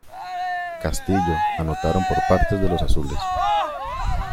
Castillo anotaron por parte de los azules.